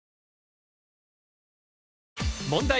問題。